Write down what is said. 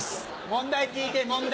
問題聞いて問題！